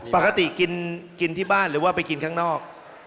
ปกติกินที่บ้านหรือว่าไปกินข้างนอก